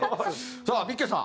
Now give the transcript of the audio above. さあビッケさん